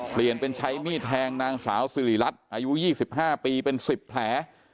เปลี่ยนเป็นใช้มีดแทงนางสาวสิริรัตน์อายุ๒๕ปีเป็น๑๐แผล